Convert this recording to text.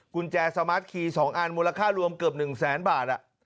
กุญแจสมาร์ทคีย์๒อันมูลค่ารวมเกือบ๑แสนบาท